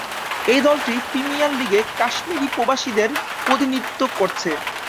এই দলটি প্রিমিয়ার লীগে কাশ্মীরি প্রবাসীদের প্রতিনিধিত্ব করছে।